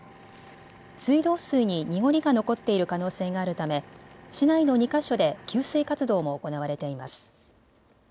水道水に濁りが残っている可能性があるため市内の２か所で給水活動も行われています。